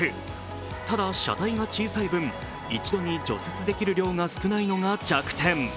ただ、車体が小さい分、一度に除雪できる量が少ないのが弱点。